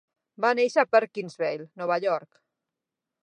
Va néixer a Perkinsville, Nova York.